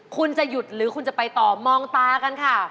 คุณจะหยุดหรือคุณจะไปต่อมองตากันค่ะ